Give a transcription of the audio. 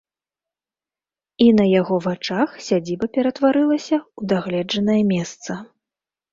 І на яго вачах сядзіба ператварылася ў дагледжанае месца.